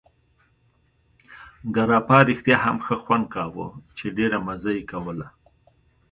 ګراپا رښتیا هم ښه خوند کاوه، چې ډېره مزه یې کوله.